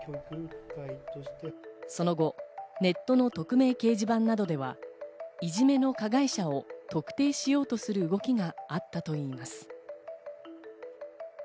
その後ネットの匿名掲示板などではいじめの加害者を特定しようとする動きがあったといいます。